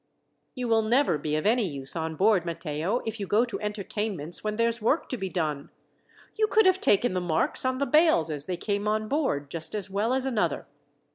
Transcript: "You will never be of any use on board, Matteo, if you go to entertainments when there's work to be done. You could have taken the marks on the bales as they came on board, just as well as another.